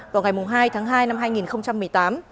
vào ngày hai tháng hai năm hai nghìn một mươi tám